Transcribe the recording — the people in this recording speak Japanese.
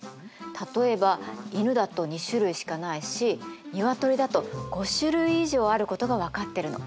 例えば犬だと２種類しかないし鶏だと５種類以上あることが分かってるの。